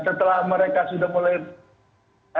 setelah mereka sudah mulai